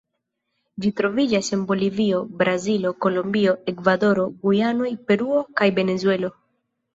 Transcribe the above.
Ĝi troviĝas en Bolivio, Brazilo, Kolombio, Ekvadoro, Gujanoj, Peruo kaj Venezuelo.